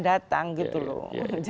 datang gitu loh